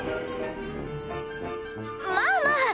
まあまあ。